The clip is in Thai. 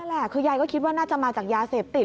แหละคือยายก็คิดว่าน่าจะมาจากยาเสพติด